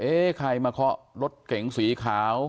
ใครมาเคาะรถเก๋งสีขาว